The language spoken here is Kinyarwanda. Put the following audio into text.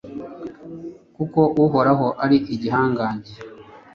Kuko Uhoraho ari igihangange